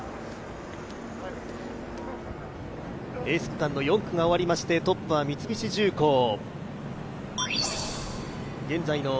エース区間の４区が終わりましてトップは三菱重工。